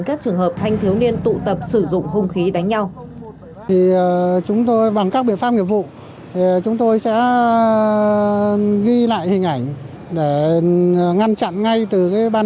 các trường hợp thanh thiếu niên tụ tập sử dụng hung khí đánh nhau